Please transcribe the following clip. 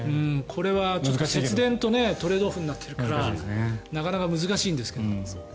これは節電とトレードオフになっているからなかなか難しいんですけど。